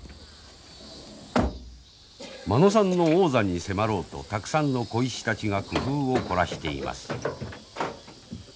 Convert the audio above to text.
間野さんの王座に迫ろうとたくさんの鯉師たちが工夫を凝らしています。